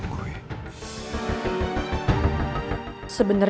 masuk ke dalam